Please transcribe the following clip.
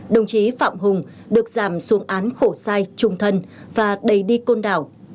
đồng chí phạm hùng được giảm xuống án khổ sai trung thân và đầy đi côn đảo